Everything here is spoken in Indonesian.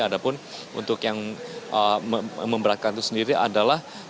ada pun untuk yang memberatkan itu sendiri adalah